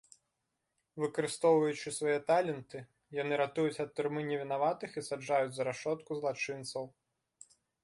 Выкарыстоўваючы свае таленты, яны ратуюць ад турмы невінаватых і саджаюць за рашотку злачынцаў.